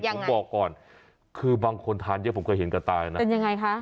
ผมบอกก่อนคือบางคนทานเยอะผมเคยเห็นกระต่ายนะเป็นยังไงคะ